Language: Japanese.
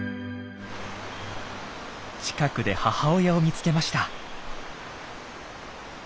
近くで母親を見つけました。